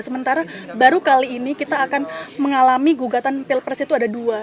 sementara baru kali ini kita akan mengalami gugatan pilpres itu ada dua